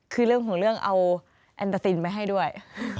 คือเรื่องของเรื่องเอาแอนตาซินไปให้ด้วย